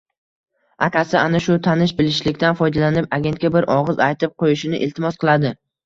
Akasi ana shu tanish-bilishlikdan foydalanib, agentga bir ogʻiz aytib qoʻyishini iltimos qiladi